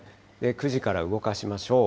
９時から動かしましょう。